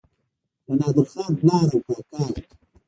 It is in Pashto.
د نادرخان پلار او کاکا وو.